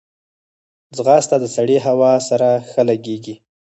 ځغاسته د سړې هوا سره ښه لګیږي